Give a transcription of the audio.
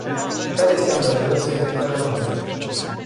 Care este angajarea sau implicarea noastră?